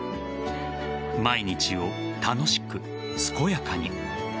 毎日を楽しく健やかに。